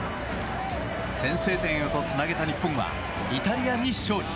先制点へとつなげた日本はイタリアに勝利。